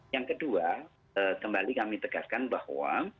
yang kedua kembali kami tegaskan bahwa